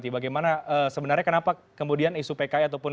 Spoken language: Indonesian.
bagaimana sebenarnya kenapa kemudian isu pki ataupun